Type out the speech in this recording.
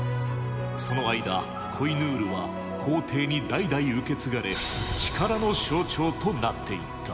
その間コ・イ・ヌールは皇帝に代々受け継がれ「力の象徴」となっていった。